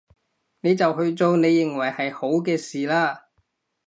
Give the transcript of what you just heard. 你就去做你認為係好嘅事啦